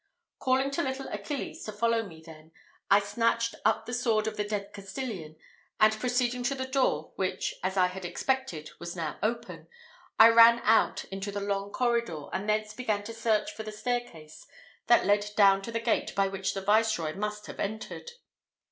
Calling to little Achilles to follow me, then, I snatched up the sword of the dead Castilian; and proceeding to the door, which, as I had expected, was now open, I ran out into the long corridor, and thence began to search for the staircase that led down to the gate by which the viceroy must have entered.